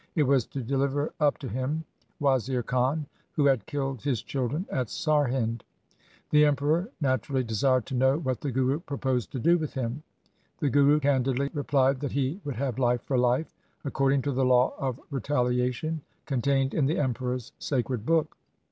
It was to deliver up to him Wazir Khan who had killed his children at Sarhind. The Emperor natur ally desired to know what the Guru proposed to do with him. The Guru candidly replied that he would have life for life, according to the law of retaliation contained in the Emperor's sacred book.